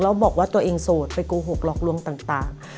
แล้วบอกว่าตัวเองโสดไปโกหกหลอกลวงต่าง